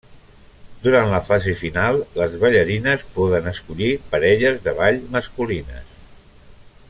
Durant la fase final, les ballarines poden escollir parelles de ball masculines.